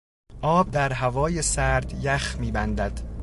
آب در هوای سرد یخ میبندد.